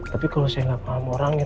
tapi kalau saya nggak paham orangnya